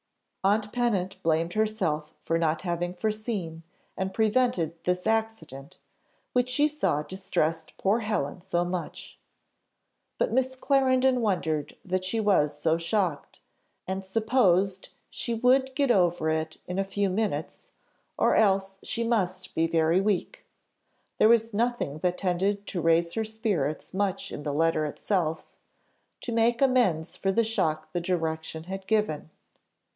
Aunt Pennant blamed herself for not having foreseen, and prevented this accident, which she saw distressed poor Helen so much. But Miss Clarendon wondered that she was so shocked, and supposed she would get over it in a few minutes, or else she must be very weak. There was nothing that tended to raise her spirits much in the letter itself, to make amends for the shock the direction had given.